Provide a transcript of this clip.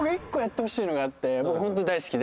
もうホント大好きで。